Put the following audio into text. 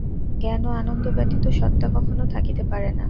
জ্ঞান ও আনন্দ ব্যতীত সত্তা কখনও থাকিতে পারে না।